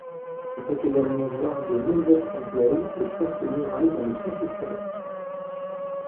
On peut également voir de nombreux trompe-l'œil et fresques murales dans le centre historique.